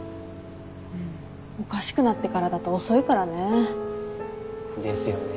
うんおかしくなってからだと遅いからね。ですよね。